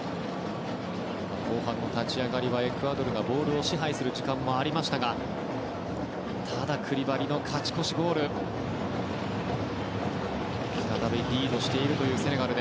後半の立ち上がりはエクアドルがボールを支配する時間もありましたがただ、クリバリの勝ち越しゴールで再びリードしているセネガル。